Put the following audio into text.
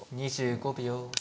２５秒。